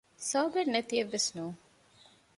ސަބަބެން ނެތިއެއްވެސް ނޫން